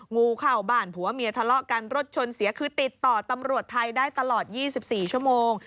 งูเข้าบ้านผัวเมียทะเลาะกันรถชนเสียคือติดต่อตำรวจไทยได้ตลอด๒๔ชั่วโมง